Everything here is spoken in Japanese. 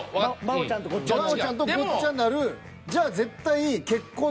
真央ちゃんとごっちゃになる。